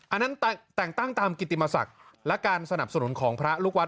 อันนั้นแต่งตั้งตามกิติมศักดิ์และการสนับสนุนของพระลูกวัด